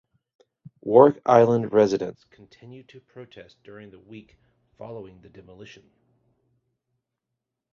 Warraq Island residents continued to protest during the week following the demolition.